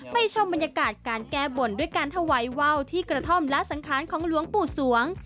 ชมบรรยากาศการแก้บนด้วยการถวายว่าวที่กระท่อมและสังขารของหลวงปู่สวง